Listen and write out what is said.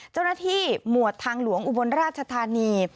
เจ้าหน้าที่หมวดทางหลวงอุบลราชธานี